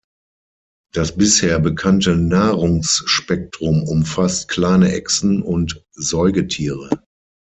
Das bisher bekannte Nahrungsspektrum umfasst kleine Echsen und Säugetiere.